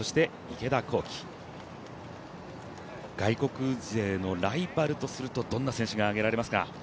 山西利和、池田向希外国勢のライバルとするとどんな選手が挙げられますか？